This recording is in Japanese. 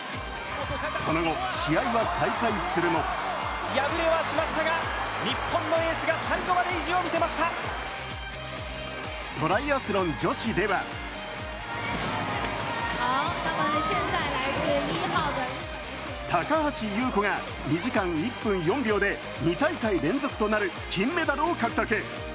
その後、試合は再開するもトライアスロン女子では高橋侑子が２時間１分４秒で２大会連続となる金メダルを獲得。